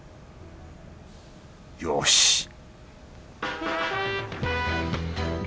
よし